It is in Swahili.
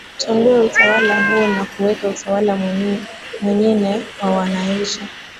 tuondowe utawala huu na kuweka utawala mwenyine wa wananchi